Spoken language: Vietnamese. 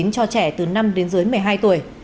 cho trẻ từ năm đến dưới một mươi hai tuổi